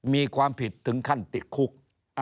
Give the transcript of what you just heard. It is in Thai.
มีความผิดถึงขั้นติดคุก